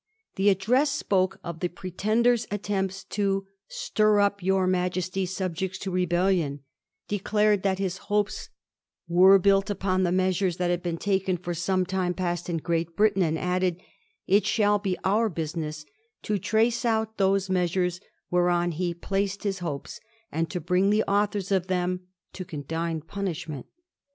The Address spoke of the Pretender's attempts *to stir up your Majesty's subjects to rebellion,' declared that his hopes * were built upon the measures that had been taken for some time past in Great Britain,' and added :^ It shall be our business to trace out those measures whereon he placed his hopes, and to bring the authors of them to condign punishment.'